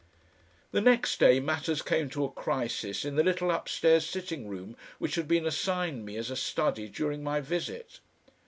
The next day matters came to a crisis in the little upstairs sitting room which had been assigned me as a study during my visit.